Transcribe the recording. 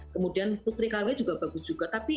kemudian putri kw juga bagus juga tapi